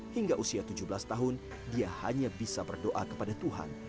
hingga usia tujuh belas tahun dia hanya bisa berdoa kepada tuhan